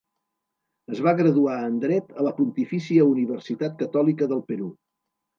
Es va graduar en dret a la Pontifícia Universitat Catòlica del Perú.